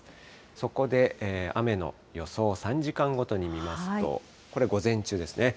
そこで、雨の予想、３時間ごとに見ますと、これ、午前中ですね。